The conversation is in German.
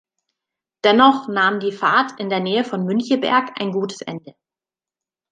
Dennoch nahm die Fahrt in der Nähe von Müncheberg ein gutes Ende.